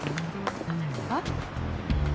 あっ？